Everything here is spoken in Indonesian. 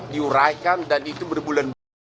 diuraikan dan itu berbulan bulan